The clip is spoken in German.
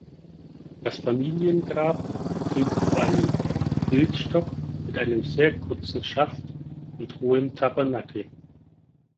Das Familiengrab verfügt über einen Bildstock mit einem sehr kurzen Schaft und hohem Tabernakel.